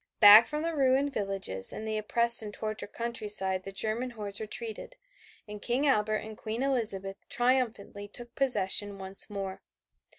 Back from the ruined villages and the oppressed and tortured countryside the German hordes retreated, and King Albert and Queen Elizabeth triumphantly took possession once more.